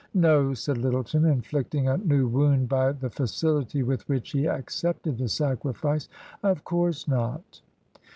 " No," said Lyttleton, inflicting a new wound by the facility with which he accepted the sacrifice, " of course not."